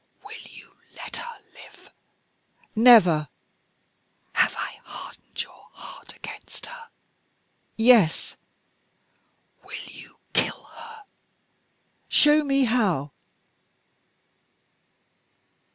"Will you let her live?" "Never." "Have I hardened your heart against her?" "Yes." "Will you kill her?" "Show me how."